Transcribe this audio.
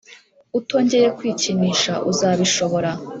utongeye kwikinisha uzabishobora